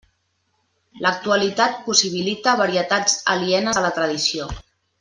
L'actualitat possibilita varietats alienes a la tradició.